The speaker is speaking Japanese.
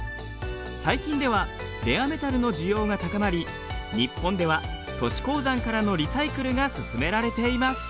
最近ではレアメタルの需要が高まり日本では都市鉱山からのリサイクルが進められています。